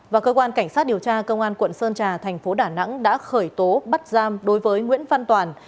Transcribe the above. và cơ quan cảnh sát điều tra công an quận sơn trà thành phố đà nẵng đã khởi tố bắt giam đối với nguyễn văn toàn